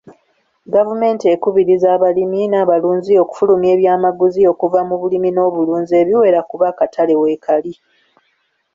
Gavumenti ekubiriza abalimi n'abalunzi okufulumya ebyamaguzi okuva mu bulimi n'obulunzi ebiwera kuba akatale weekali.